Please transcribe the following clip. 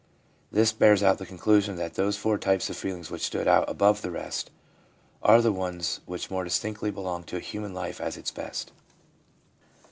This bears out the conclusion that those four types of feeling which stood out above the rest are the ones which more distinctly belong to human life at its best.